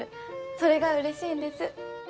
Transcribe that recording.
それがうれしいんです。